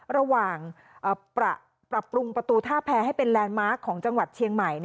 ระหว่างปรับปรุงประตูท่าแพ้ให้เป็นแลนดมาร์คของจังหวัดเชียงใหม่